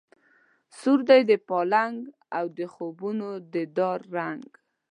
سور دی د پالنګ او د خوبونو د دلدار رنګ